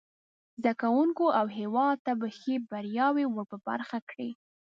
زده کوونکو او هیواد ته به ښې بریاوې ور په برخه کړي.